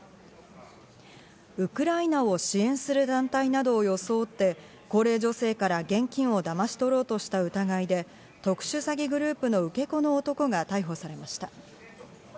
ウクライナを支援する団体などを装って、高齢女性から現金をだまし取ろうとした疑いで特殊詐欺グループの受け子の男が逮捕されました。